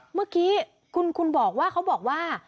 เมื่อกี้คุณบอกว่า